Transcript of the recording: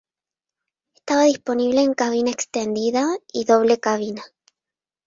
Estaba disponible en Cabina Extendida y Doble Cabina.